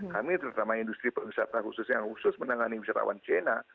kami terutama industri pengusaha khusus yang khusus menangani wisatawan cina